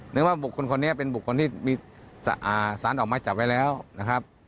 นึกว่าบุคคลคนนี้เป็นบุคคลที่มีสารออกไม้จับไว้แล้วนะครับ